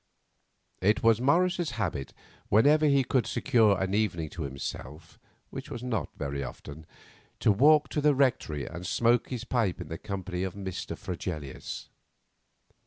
It was Morris's habit, whenever he could secure an evening to himself, which was not very often, to walk to the Rectory and smoke his pipe in the company of Mr. Fregelius.